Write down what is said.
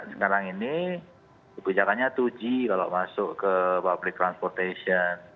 sekarang ini kebijakannya dua g kalau masuk ke public transportation